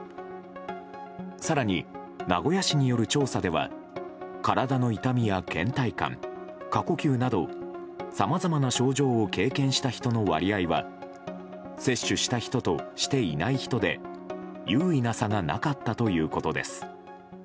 更に、名古屋市による調査では体の痛みや倦怠感過呼吸など、さまざまな症状を経験した人の割合は接種した人としていない人で有意な差がなかったということです。